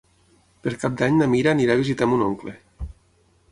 Per Cap d'Any na Mira anirà a visitar mon oncle.